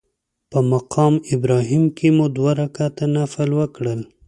په مقام ابراهیم کې مو دوه رکعته نفل وکړل.